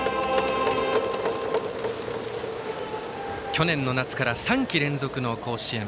去年の夏から３季連続の甲子園。